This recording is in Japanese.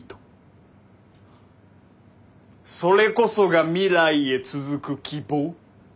それこそが未来へ続く希望。